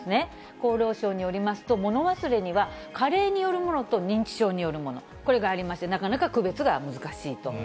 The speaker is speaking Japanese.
厚労省によりますと、物忘れには、加齢によるものと認知症によるもの、これがありまして、なかなか区別が難しいと。